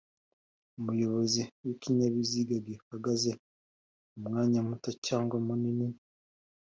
Umuyobozi w ikinyabiziga gihagaze umwanya muto cyangwa munini